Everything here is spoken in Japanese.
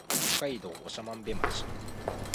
北海道長万部町